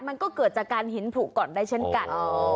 มันก็เกิดจากการหินผลุก่อนได้เช่นกัน